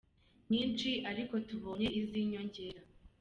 nyinshi ariko tubonye iz’inyongera.